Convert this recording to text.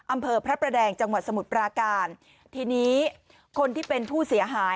อำเภอพระประแดงจังหวัดสมุทรปราการทีนี้คนที่เป็นผู้เสียหาย